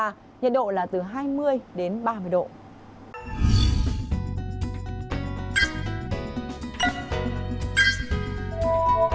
nhiệt độ là từ hai mươi đến ba mươi độ